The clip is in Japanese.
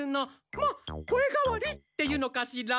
まあ声がわりっていうのかしら？